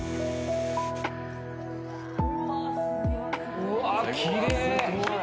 うわあ、きれい！